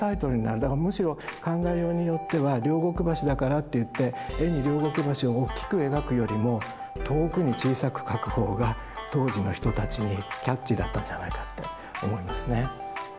だからむしろ考えようによっては両国橋だからっていって絵に両国橋を大きく描くよりも遠くに小さく描く方が当時の人たちにキャッチーだったんじゃないかって思いますね。